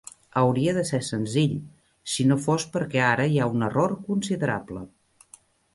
Hauria de ser senzill, si no fos perquè ara hi ha un error considerable.